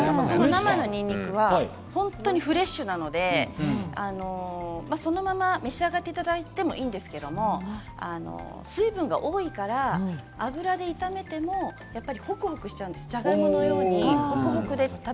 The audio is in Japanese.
生のにんにくは本当にフレッシュなので、そのまま召し上がっていただいてもいいんですけれど、水分が多いから油で炒めてもホクホクしちゃうんです、じゃがいものように。